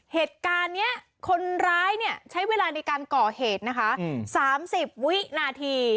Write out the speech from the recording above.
เหตุการณ์นี้คนร้ายเนี่ยใช้เวลาในการก่อเหตุนะคะ๓๐วินาที